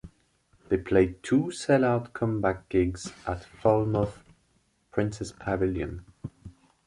They played two sell out comeback gigs at Falmouth Princess Pavilion.